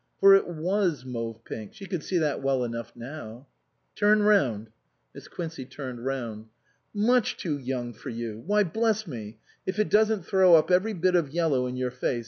For it was mauve pink ; she could see that well enough now. " Turn round !" Miss Quincey turned round. " Much too young for you ! Why, bless me, if it doesn't throw up every bit of yellow in your face